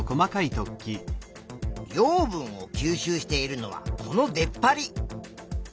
養分を吸収しているのはこの出っ張り。